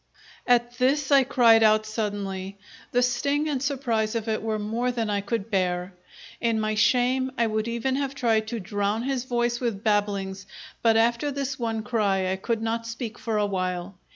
At this I cried out suddenly. The sting and surprise of it were more than I could bear. In my shame I would even have tried to drown his voice with babblings but after this one cry I could not speak for a while.